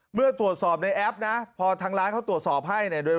เมื่อตรวจสอบในแอปนะพอทางร้านเขาตรวจสอบให้เนี่ย